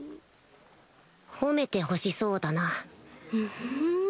褒めてほしそうだなフフ。